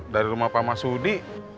dari rumah pak masudi